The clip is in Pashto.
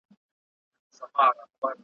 زه چي ګورمه موږ هم یو ځان وهلي ,